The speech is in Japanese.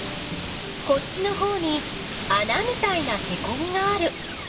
こっちのほうにあなみたいなへこみがある。